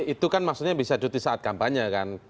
itu kan maksudnya bisa cuti saat kampanye kan